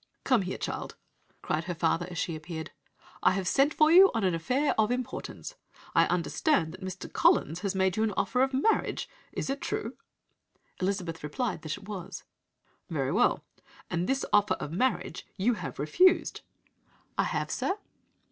"'Come here, child,' cried her father as she appeared. 'I have sent for you on an affair of importance. I understand that Mr. Collins has made you an offer of marriage. Is it true?' Elizabeth replied that it was. 'Very well and this offer of marriage you have refused?' "'I have, sir.'